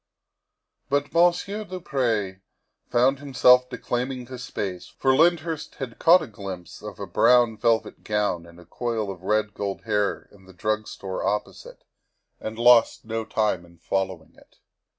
But Monsieur du Pre found himself declaiming to space, for Lyndhurst had caught a glimpse of a brown velvet gown and a coil of red gold hair in the drug store opposite, and lost no time in following it.